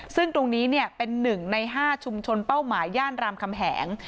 ซึ่งตรงนี้เป็น๑ใน๕ชุมชนเป้าหมายย่านรามคำแหง